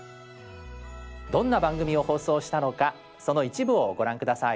どんな番組を放送したのかその一部をご覧下さい。